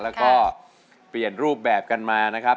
แล้วก็เปลี่ยนรูปแบบกันมานะครับ